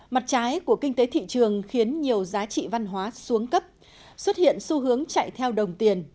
mặt trái của kinh tế thị trường khiến nhiều giá trị văn hóa xuống cấp xuất hiện xu hướng chạy theo đồng tiền